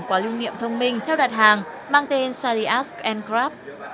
quả lưu niệm thông minh theo đặt hàng mang tên shalias endcraft